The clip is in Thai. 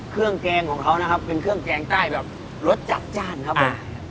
แกงของเขานะครับเป็นเครื่องแกงใต้แบบรสจัดจ้านครับผม